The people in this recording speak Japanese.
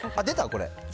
これ。